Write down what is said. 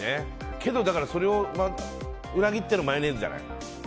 けど、それを裏切ってのマヨネーズじゃない？